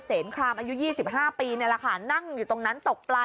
สำหรับรามอายุ๒๕ปีนี่แหละค่ะนั่งอยู่ตรงนั้นตกปลา